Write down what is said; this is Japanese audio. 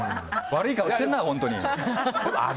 悪い顔してるな、本当に。